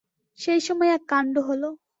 সেই সময় এক কাণ্ড হলো।